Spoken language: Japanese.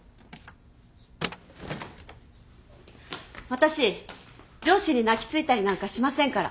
私上司に泣き付いたりなんかしませんから。